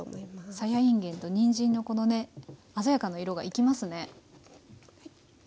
さやいんげんとにんじんのこのね鮮やかな色が生きますね。